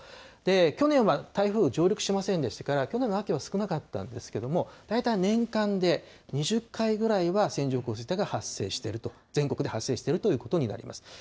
去年は台風上陸しませんでしたから、去年の秋は少なかったんですけれども、大体年間で２０回ぐらいは線状降水帯が発生していると、全国で発生しているということになります。